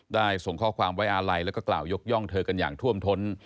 ส่งข้อความไว้อาลัยแล้วก็กล่าวยกย่องเธอกันอย่างท่วมท้น